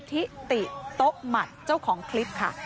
ทิติโต๊ะหมัดเจ้าของคลิปค่ะ